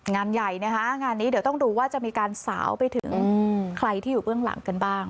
งานใหญ่นะคะงานนี้เดี๋ยวต้องดูว่าจะมีการสาวไปถึงใครที่อยู่เบื้องหลังกันบ้าง